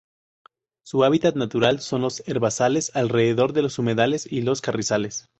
Su hábitat natural son los herbazales alrededor de los humedales y los carrizales.